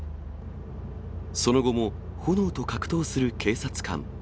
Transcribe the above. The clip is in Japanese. その後も炎と格闘する警察官。